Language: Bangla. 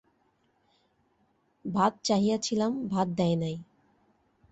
ভাত চাহিয়াছিলাম ভাত দেয় নাই।